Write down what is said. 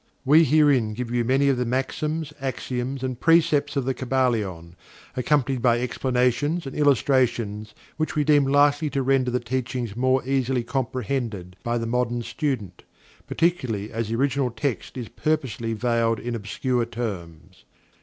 We herein give you many of the maxims, axioms and precepts of THE KYBALION, accompanied by explanations and illustrations which we deem likely to render the teachings more easily comprehended by the modern student, particularly as the original text is purposely veiled in obscure terms.